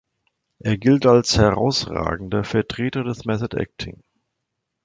Er gilt als herausragender Vertreter des Method Acting.